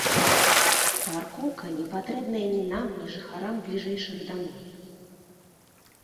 Паркоўка не патрэбная ні нам, ні жыхарам бліжэйшых дамоў.